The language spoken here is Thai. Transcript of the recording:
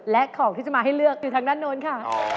และของที่จะมาให้เลือกอยู่ทางด้านโน้นค่ะ